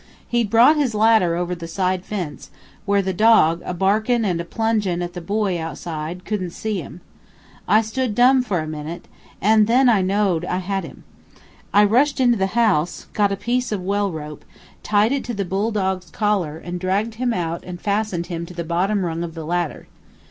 He'd brought his ladder over the side fence, where the dog, a barkin' and plungin' at the boy outside, couldn't see him. I stood dumb for a minute, an' then I know'd I had him. I rushed into the house, got a piece of well rope, tied it to the bull dog's collar, an' dragged him out and fastened him to the bottom rung of the ladder.